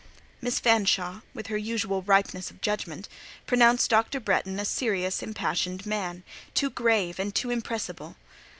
Miss Fanshawe, with her usual ripeness of judgment, pronounced Dr. Bretton a serious, impassioned man, too grave and too impressible.